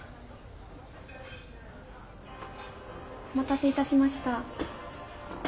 お待たせいたしました。